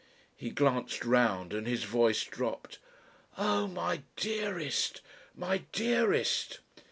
He glanced round and his voice dropped. "Oh! my dearest! my dearest!..."